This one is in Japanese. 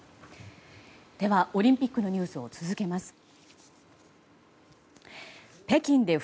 では、オリンピックのニュースを続けます。